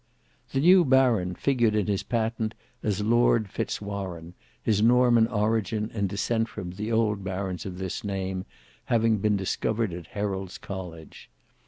The new Baron figured in his patent as Lord Fitz Warene, his Norman origin and descent from the old barons of this name having been discovered at Herald's college.